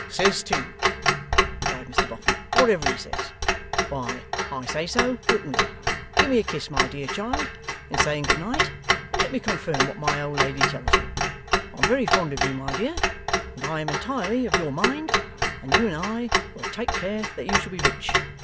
'Says too!' cried Mr Boffin. 'Whatever he says! Why, I say so, openly. Give me a kiss, my dear child, in saying Good Night, and let me confirm what my old lady tells you. I am very fond of you, my dear, and I am entirely of your mind, and you and I will take care that you shall be rich.